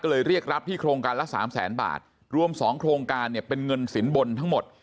ก็เลยเรียกรับที่โครงการละสามแสนบาทรวม๒โครงการเนี่ยเป็นเงินสินบนทั้งหมด